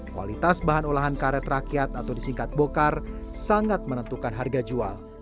kualitas bahan olahan karet rakyat atau disingkat bokar sangat menentukan harga jual